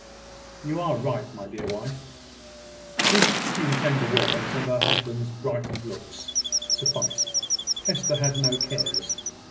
"You are right, my dear wife." These few tender words, and her husband's brightened looks, sufficed Hester had no cares.